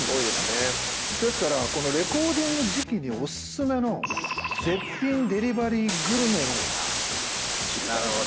ですからこのレコーディング時期にお薦めの絶品デリバリーグルメを知りたいなっていう。